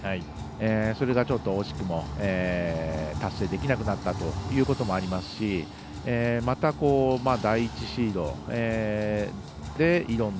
それが惜しくも達成できなくなったということもありますしまた第１シードで挑んだ